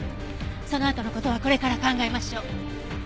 そのあとの事はこれから考えましょう。